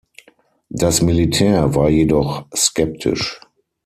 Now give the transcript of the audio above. Das Militär war jedoch skeptisch.